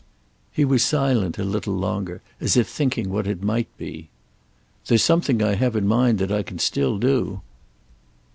He was silent a little longer, as if thinking what it might be. "There's something I have in mind that I can still do."